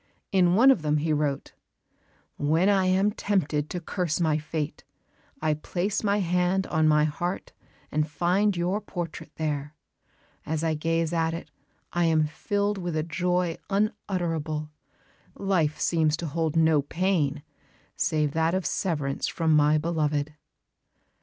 In one of them he wrote, "When I am tempted to curse my fate, I place my hand on my heart and find your portrait there. As I gaze at it I am filled with a joy unutterable. Life seems to hold no pain, save that of severance from my beloved."